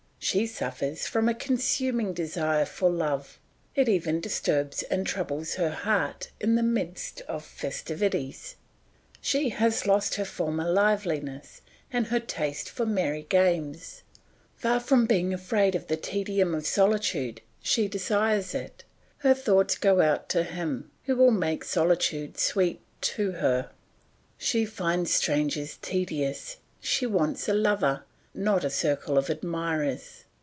She suffers from a consuming desire for love; it even disturbs and troubles her heart in the midst of festivities; she has lost her former liveliness, and her taste for merry games; far from being afraid of the tedium of solitude she desires it. Her thoughts go out to him who will make solitude sweet to her. She finds strangers tedious, she wants a lover, not a circle of admirers.